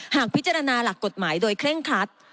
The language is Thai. หากพิจารณาหลักกฎหมายโดยเคร่งคัด